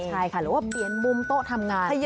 ใช่ค่ะหรือว่าเปลี่ยนมุมโต๊ะทำงาน